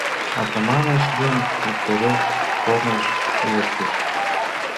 Атаманыч ден Дегтярев корныш лектыч.